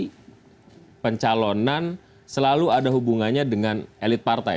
tapi pencalonan selalu ada hubungannya dengan elit partai